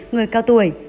người cao tuổi